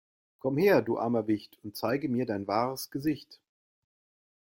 Komm her, du armer Wicht, und zeige mir dein wahres Gesicht!